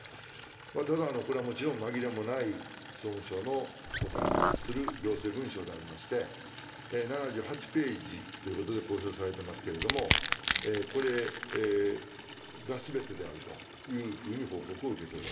ただ、これはもちろん、まぎれもない総務省の保管する行政文書でありまして、７８ページということで公表されておりますけれども、これがすべてであるというふうに報告を受けております。